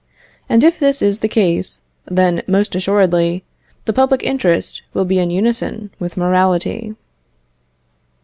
And if this is the case, then, most assuredly, the public interest will be in unison with morality.